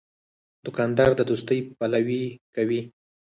دوکاندار د دوستۍ پلوي کوي.